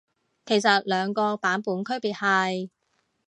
其實兩個版本區別係？